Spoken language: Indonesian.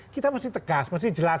kita masih tegas masih jelas